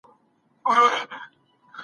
هغه وويل چي کتابتون ارام ځای دی.